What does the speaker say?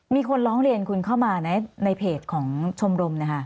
มีคนร้องเรียนคุณเข้ามาในเพจของชมรม